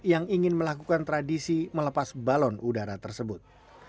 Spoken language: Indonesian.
yang ingin melakukan tradisi melepas balon udara tersebut